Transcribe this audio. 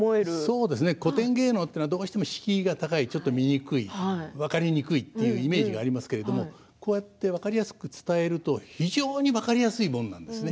そうですね古典芸能はどうしても敷居が高い見にくい、分かりにくいというイメージがありますけれどこうやって分かりやすく伝えると非常に分かりやすいものなんですね。